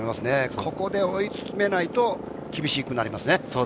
ここで追い詰めないと厳しくなりますね。